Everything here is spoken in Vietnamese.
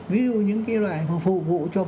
ví dụ những loại phục vụ cho